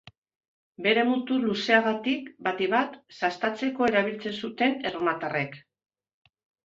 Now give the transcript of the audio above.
Bere mutur luzeagatik, batik bat, sastatzeko erabiltzen zuten erromatarrek.